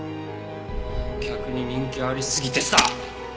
客に人気ありすぎてさ！